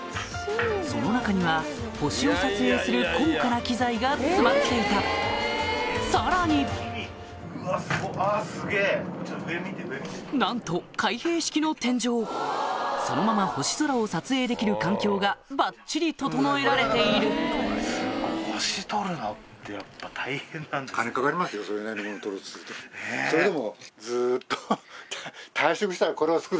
その中には星を撮影する高価な機材が詰まっていたさらになんと開閉式の天井そのまま星空を撮影できる環境がばっちり整えられているそれでも。